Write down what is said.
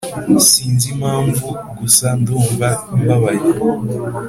sinzi impamvu gusa ndumva mbabaye